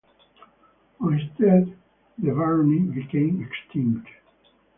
On his death the barony became extinct.